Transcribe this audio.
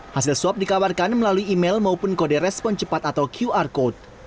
hasil swab dikabarkan melalui email maupun kode respon cepat atau qr code